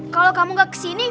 kalau kamu gak kesini